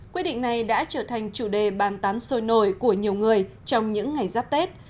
quy định này đã trở thành chủ đề bàn tán sôi nổi của nhiều người trong những ngày giáp tết